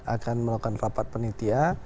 akan melakukan rapat panitia